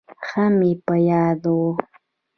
ښه مې په یاد و.